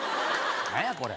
何やこれ。